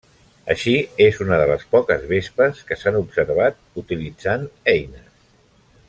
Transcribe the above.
Així és una de les poques vespes que s'han observat utilitzant eines.